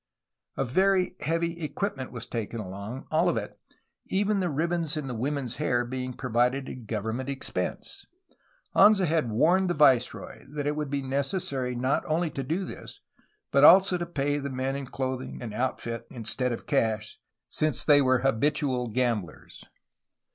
A very heavy equipment was taken along, all of it, even the ribbons in the women's hair, being provided at govern ment expense. Anza had warned the viceroy that it would be necessary not only to do this but also to pay the men in clothing and outfit instead of cash, since they were habitual gamblers.